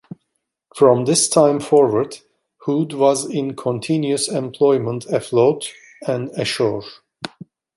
From this time forward Hood was in continuous employment afloat and ashore.